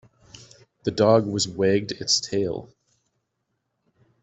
The dog was wagged its tail.